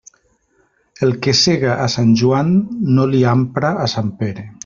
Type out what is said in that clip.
El que sega a Sant Joan no li ampra a Sant Pere.